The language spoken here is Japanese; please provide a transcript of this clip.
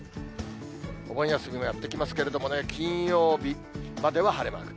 お盆休みもやってきますけどもね、金曜日までは晴れマーク。